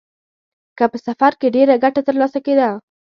که په سفر کې ډېره ګټه ترلاسه کېده.